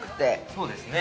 ◆そうですね。